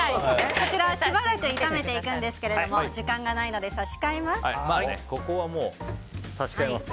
こちらはしばらく炒めていくんですけれどもここはもう、差し替えます！